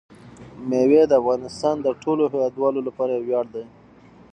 مېوې د افغانستان د ټولو هیوادوالو لپاره یو ویاړ دی.